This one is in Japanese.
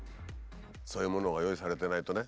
そういうものが用意されてないとね